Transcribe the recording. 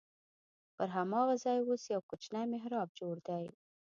پر هماغه ځای اوس یو کوچنی محراب جوړ دی.